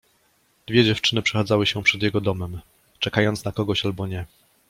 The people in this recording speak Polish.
Dwie dziewczyny przechadzały się przed jego domem, czekając na kogoś albo nie.